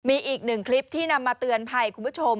มีอีกหนึ่งคลิปที่นำมาเตือนภัยคุณผู้ชม